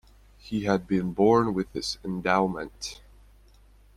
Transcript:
He had been born with this endowment.